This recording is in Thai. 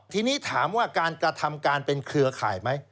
ทีนี้ถามว่าการกระทำการเป็นเครือข่ายไหม